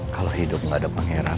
kalau hidup gak ada pangeran